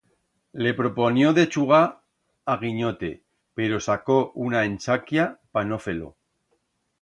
Le proponió de chugar a guinyote pero sacó una enchaquia pa no fer-lo.